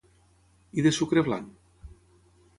I de sucre blanc?